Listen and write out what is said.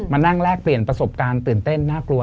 มานั่งแลกเปลี่ยนประสบการณ์ตื่นเต้นน่ากลัว